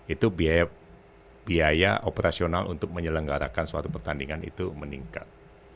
itu biaya operasional untuk menyelenggarakan suatu pertandingan itu meningkat